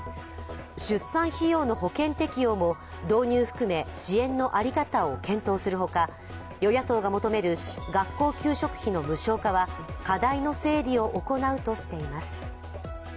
出産費用の保険適用も導入含め、支援の在り方を検討するほか与野党が求める学校給食費の無償化は課題の整理を行うとしています。